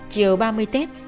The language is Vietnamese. chiều ba mươi tết